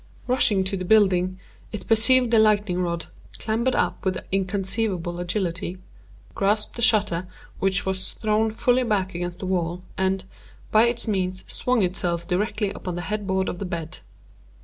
Rushing to the building, it perceived the lightning rod, clambered up with inconceivable agility, grasped the shutter, which was thrown fully back against the wall, and, by its means, swung itself directly upon the headboard of the bed.